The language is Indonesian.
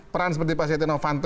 peran seperti pak setia novanto